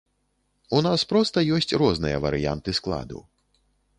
У нас проста ёсць розныя варыянты складу.